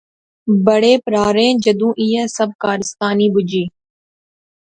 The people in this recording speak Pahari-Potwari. بڑے پراہریں جدوں ایہہ سب کارستانی بجی